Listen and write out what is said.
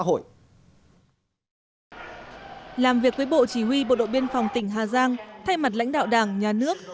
tại buổi thăm và làm việc với bộ chỉ huy bộ đội biên phòng tỉnh hà giang thay mặt lãnh đạo đảng nhà nước